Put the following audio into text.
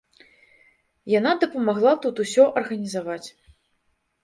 Яна дапамагла тут усё арганізаваць.